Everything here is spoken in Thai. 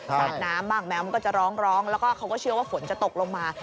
สาดน้ำบ้างแมวมันก็จะร้องแล้วก็เขาก็เชื่อว่าฝนจะตกลงมา